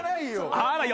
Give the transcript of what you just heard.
あらよ。